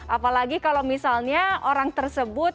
apalagi kalau misalnya orang tersebut